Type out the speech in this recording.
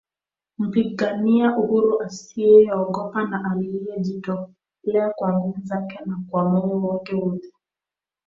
Mpigania uhuru asiyeogopa na aliyejitolea kwa nguvu zake na kwa moyo wake wote